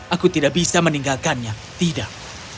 aku tidak bisa meninggalkannya tidak